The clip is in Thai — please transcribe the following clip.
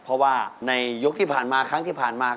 เพราะว่าในยกที่ผ่านมาครั้งที่ผ่านมา